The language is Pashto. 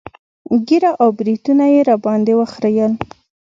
ږيره او برېتونه يې راباندې وخرييل.